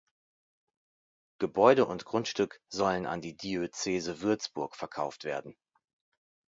Gebäude und Grundstück sollen an die Diözese Würzburg verkauft werden.